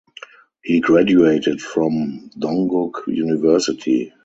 He graduated from Dongguk University.